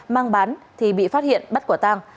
mang bán thì bị phát hiện bắt quả tàng